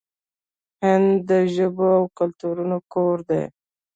هند د ژبو او کلتورونو کور دی.